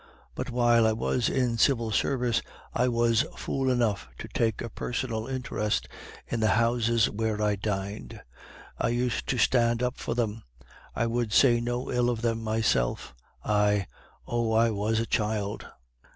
But while I was in civil service, I was fool enough to take a personal interest in the houses where I dined; I used to stand up for them; I would say no ill of them myself; I oh! I was a child.